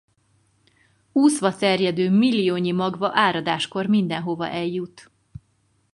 Úszva terjedő milliónyi magva áradáskor mindenhova eljut.